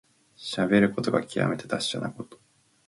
しゃべることがきわめて達者なこと。